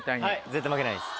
絶対負けないです。